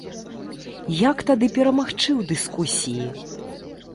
Як тады перамагчы ў дыскусіі?